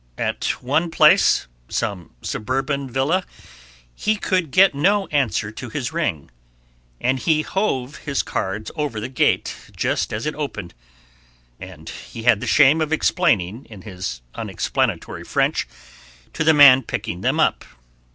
At one place, some suburban villa, he could get no answer to his ring, and he "hove" his cards over the gate just as it opened, and he had the shame of explaining in his unexplanatory French to the man picking them up.